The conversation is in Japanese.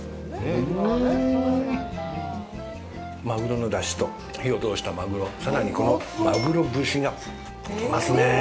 マグロの出汁と火を通したマグロ、さらにこのマグロ節が、きますね。